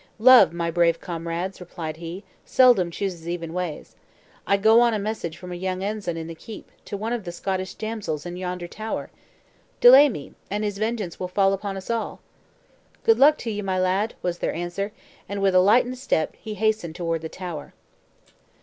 "Love, my brave comrades," replied he, "seldom chooses even ways. I go on a message from a young ensign in the keep, to one of the Scottish damsels in yonder tower. Delay me, and his vengeance will fall upon us all." "Good luck to you, my lad!" was their answer, and, with a lightened step, he hastened toward the tower.